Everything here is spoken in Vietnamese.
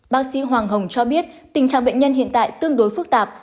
bác sĩ hoàng hồng cho biết tình trạng bệnh nhân hiện tại tương đối phức tạp